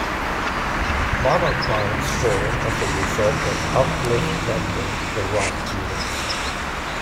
Monoclines form as a result of uplift bending the rock units.